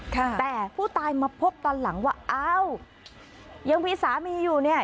แต่ผู้ตายมาพบตอนหลังว่าอ้าวยังมีสามีอยู่เนี่ย